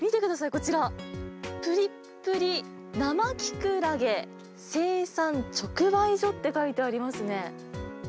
こちら、ぷりっぷりっ生きくらげ生産直売所って書いてありますね。